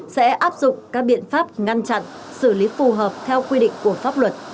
sẽ áp dụng các biện pháp ngăn chặn xử lý phù hợp theo quy định của pháp luật